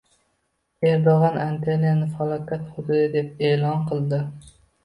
Erdo‘g‘on Antaliyani falokat hududi deb e’lon qildi